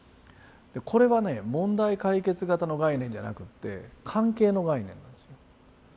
これはね問題解決型の概念じゃなくって関係の概念なんです。